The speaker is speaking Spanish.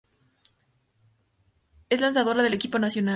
Es lanzadora del equipo nacional.